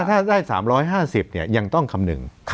ถ้าได้๓๕๐ยังต้องคำนึง